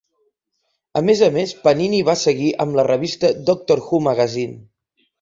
A més a més, Panini va seguir amb la revista "Doctor Who Magazine".